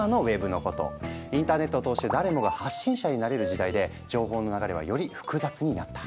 インターネットを通して誰もが発信者になれる時代で情報の流れはより複雑になった。